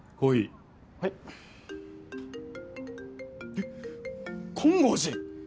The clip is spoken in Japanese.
えっ金剛寺！？